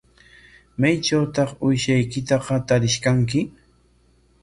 ¿Maytrawtaq uushaykitaqa tarish kanki?